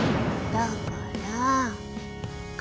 だから勘。